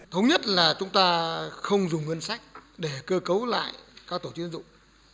thống nhất là chúng ta không dùng ngân sách để cơ cấu lại các tổ chức tiến dụng